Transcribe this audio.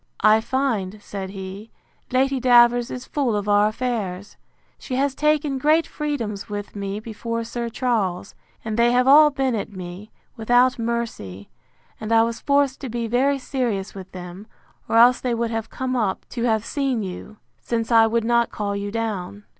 I find, said he, Lady Davers is full of our affairs. She has taken great freedoms with me before Sir Charles; and they have all been at me, without mercy; and I was forced to be very serious with them, or else they would have come up to have seen you, since I would not call you down.